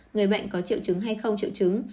người bệnh có triệu chứng hay không triệu chứng